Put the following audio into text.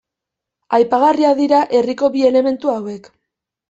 Aipagarriak dira herriko bi elementu hauek.